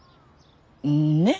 うんね？